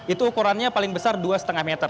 itu ukurannya paling besar dua lima meter